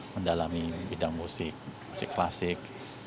mendalami bidang musik musik klasik